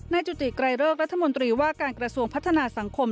จุติไกรเลิกรัฐมนตรีว่าการกระทรวงพัฒนาสังคม